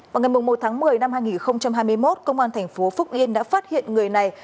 vào ngày một tháng một mươi năm hai nghìn hai mươi một công an thành phố phúc yên đã phát hiện người này